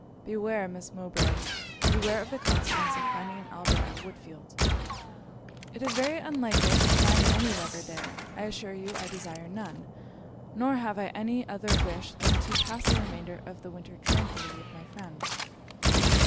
Beware, Miss Mowbray beware of the consequence of finding an Albert at Woodfield.' 'It is very unlikely I should find any lover there. I assure you I desire none; nor have I any other wish than to pass the remainder of the winter tranquilly with my friend.'